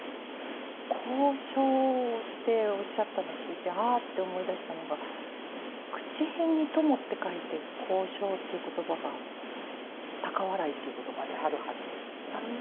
「高笑」っておっしゃったの聞いてああって思い出したのが口へんに「共」って書いて「哄笑」っていう言葉が高笑いっていう言葉であるはずなんですけど。